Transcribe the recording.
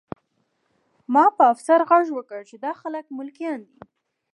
ما په افسر غږ وکړ چې دا خلک ملکیان دي